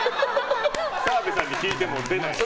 澤部さんに聞いても出ないですよ。